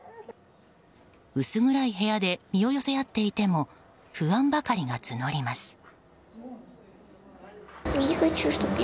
薄暗い部屋で身を寄せ合っていても不安ばかりが募ります。